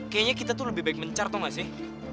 kayanya kita tuh lebih baik mencar tau gak sih